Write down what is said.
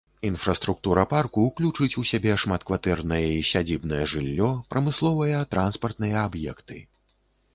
Інфраструктура парку ўключыць у сябе шматкватэрнае і сядзібнае жыллё, прамысловыя, транспартныя аб'екты.